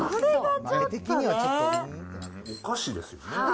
お菓子ですよね。